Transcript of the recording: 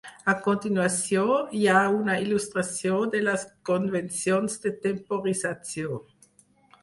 A continuació, hi ha una il·lustració de les convencions de temporització.